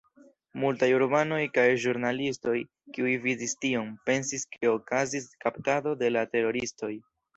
Multaj urbanoj kaj ĵurnalistoj, kiuj vidis tion, pensis ke okazis kaptado de la teroristoj.